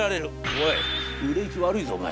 『おい売れ行き悪いぞお前。